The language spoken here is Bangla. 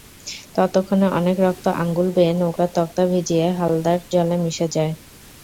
ততক্ষণে অনেক রক্ত আঙুল বেয়ে নৌকার তক্তা ভিজিয়ে হালদার জলে মিশে যায়।